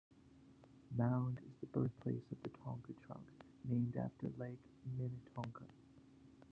Mound is the birthplace of the Tonka truck, named after Lake Minnetonka.